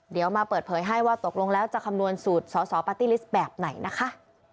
เดี๋ยวมาเปิดเผยให้ว่าตกลงแล้วจะคำนวณสูตรสอสอปาร์ตี้ลิสต์แบบไหนนะคะ